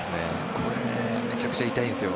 これめちゃくちゃ痛いんですよ。